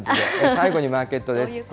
最後にマーケットです。